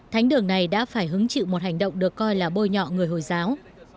thánh đường này đã phải hứng chịu một hành động được coi là bôi nhọ người hồi giáo